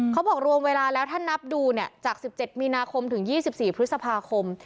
เขาบอกรวมเวลาแล้วถ้านับดูเนี่ยจาก๑๗มีนาคมถึง๒๔พฤษภาคม